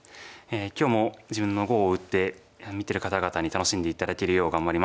今日も自分の碁を打って見てる方々に楽しんで頂けるよう頑張ります。